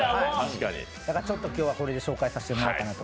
ちょっと今日はこれで紹介させてもらいたいなと。